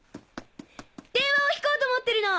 電話をひこうと思ってるの！